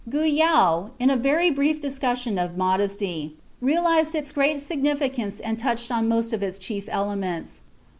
Guyau, in a very brief discussion of modesty, realized its great significance and touched on most of its chief elements.